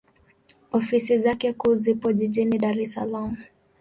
Ofisi zake kuu zipo Jijini Dar es Salaam.